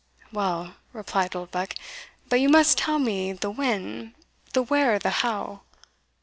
"Well," replied Oldbuck; "but you must tell me the when the where the how."